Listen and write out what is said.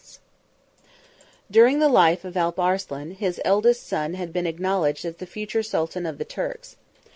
] During the life of Alp Arslan, his eldest son had been acknowledged as the future sultan of the Turks.